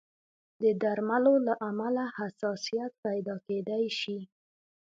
د درملو له امله حساسیت پیدا کېدای شي.